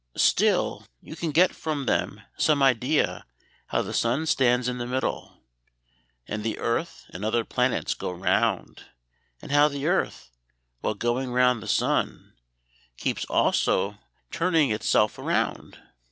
"Still, you can get from them some idea how the sun stands in the middle, and the earth and other planets go round, and how the earth, while going round the sun, keeps also turning itself around.